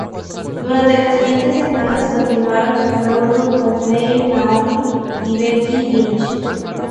Durante la siguientes semanas continuaron su feudo con Flair, Naomi y Becky Lynch.